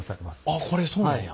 あっこれそうなんや。